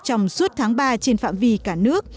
trong suốt tháng ba trên phạm vi cả nhà